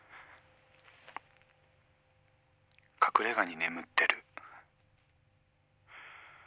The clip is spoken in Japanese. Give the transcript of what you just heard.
「隠れ家に眠ってる」